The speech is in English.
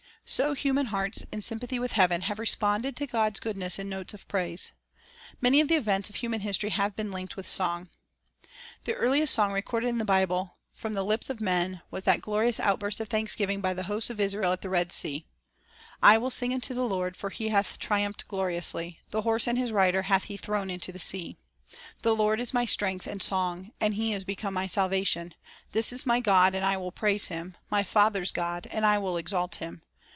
4 So human hearts, in sympathy with heaven, have responded to God's goodness in notes of praise. Many of the events of human history have been linked with song. 'Margin. 3 Isa. 51:3. 'Num. 23 : 7 2;, R. V.; 24 : 4 6. R. \\; 24 : 16 19. 4 Job 38:7. Sacred Song 162 The Bible as an Educator The earliest song recorded in the Bible from the lips of men was that glorious outburst of thanksgiving by the hosts of Israel at the Red Sea: —" I will sing unto the Lord, for He hath triumphed gloriously ; The horse and his rider hath He thrown into the sea. At the The Lord is my strength and song, Red Sea ^nd j [ e ; s Decome mv salvation; This is my God, and I will praise Him ; My father's God, and I will exalt Him."